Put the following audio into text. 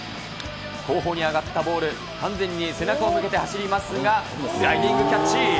後方に上がったボール、完全に背中を向けて走りますが、スライディングキャッチ。